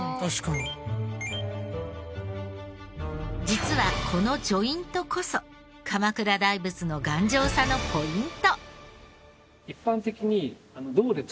実はこのジョイントこそ鎌倉大仏の頑丈さのポイント。